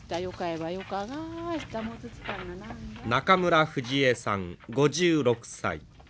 中村フジエさん５６歳。